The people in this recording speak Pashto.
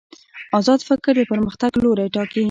ازاد فکر د پرمختګ لوری ټاکي.